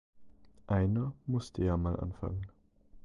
Einer musste ja mal anfangen.